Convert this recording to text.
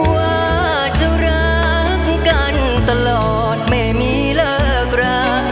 ว่าจะรักกันตลอดไม่มีเลิกรา